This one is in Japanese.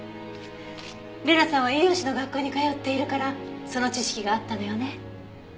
礼菜さんは栄養士の学校に通っているからその知識があったのよね。